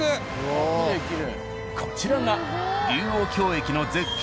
こちらが龍王峡駅の絶景